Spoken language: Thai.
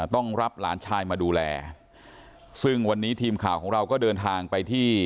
ต้องรับหลานชายมาดูแลซึ่งวันนี้ทีมข่าวของเราก็เดินทางไปที่